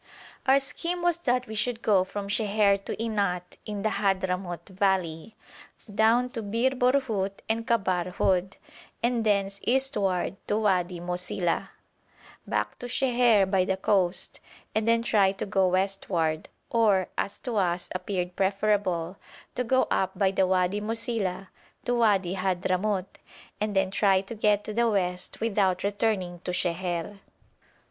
Our scheme was that we should go from Sheher to Inat in the Hadhramout valley, down to Bir Borhut and Kabr Houd, and thence eastward to Wadi Mosila, back to Sheher by the coast, and then try to go westward or, as to us appeared preferable, to go up by the Wadi Mosila to Wadi Hadhramout, and then to try to get to the west without returning to Sheher.